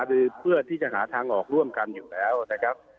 หรือเพื่อที่จะหาทางออกร่วมกันอยู่แล้วนะครับ